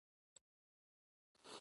کښتۍ د رادار له لارې لاره ټاکي.